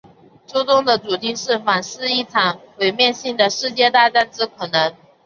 书中的主题是反思一场毁灭性的世界大战之可能。